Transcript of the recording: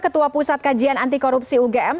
ketua pusat kajian anti korupsi ugm